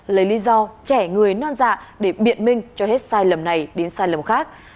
lấy lý do trẻ người non dạ để biện minh cho hết sai lầm này đến sai lầm khác